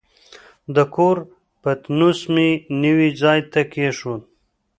د کور پتنوس مې نوي ځای ته کېښود.